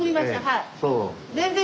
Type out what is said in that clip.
はい。